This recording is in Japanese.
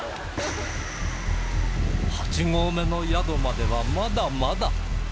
８合目の宿まではまだまだ